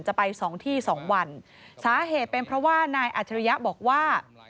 จะไปสองที่สองวันสาเหตุเป็นเพราะว่านายอัจฉริยะบอกว่า